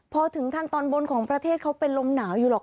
พอถึงทางตอนบนของประเทศเขาเป็นลมหนาวอยู่หรอก